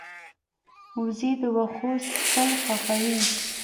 وزې د واښو څکل خوښوي